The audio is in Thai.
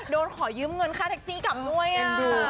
โดนขอยืมเงินค่าแท็กซี่กลับมวยอ่ะ